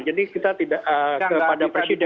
jadi kita tidak kepada presiden